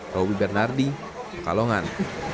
robby bernardi pekalongan